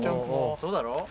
そうだろ？